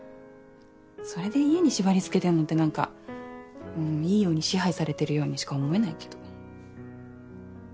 それで家に縛り付けてんのってなんかいいように支配されてるようにしか思えないけど。